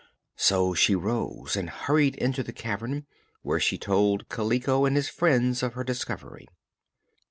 So she rose and hurried into the cavern, where she told Kaliko and her friends of her discovery.